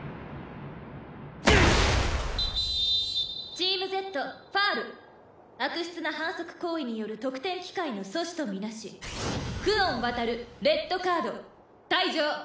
「チームＺファウル」「悪質な反則行為による得点機会の阻止とみなし久遠渉レッドカード退場！」